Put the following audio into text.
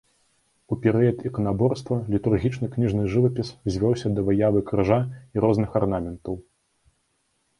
У перыяд іканаборства літургічны кніжны жывапіс звёўся да выявы крыжа і розных арнаментаў.